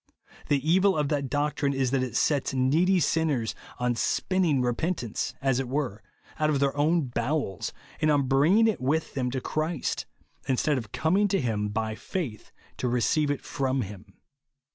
The evil of that doctrine is that it sets needy sinners on spinning repentance, as it were, out of their own bowels, and on bringing it with them to Christ, instead of comkig to him by faith to receive it from him.